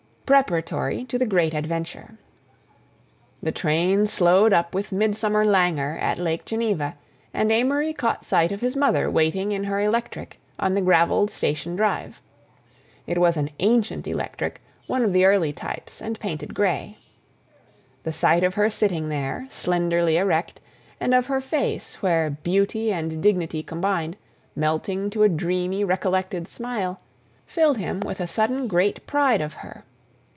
PREPARATORY TO THE GREAT ADVENTURE The train slowed up with midsummer languor at Lake Geneva, and Amory caught sight of his mother waiting in her electric on the gravelled station drive. It was an ancient electric, one of the early types, and painted gray. The sight of her sitting there, slenderly erect, and of her face, where beauty and dignity combined, melting to a dreamy recollected smile, filled him with a sudden great pride of her.